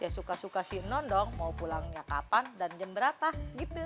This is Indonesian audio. suka suka si non dok mau pulangnya kapan dan jam berapa gitu